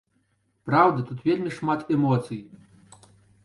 Праўда, тут вельмі шмат эмоцый.